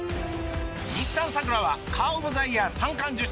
日産サクラはカーオブザイヤー三冠受賞！